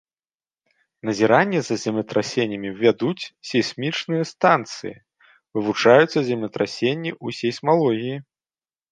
Назіранні за землетрасеннямі вядуць сейсмічныя станцыі, вывучаюцца землетрасенні ў сейсмалогіі.